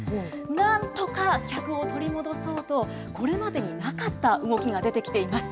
なんとか客を取り戻そうと、これまでになかった動きが出てきています。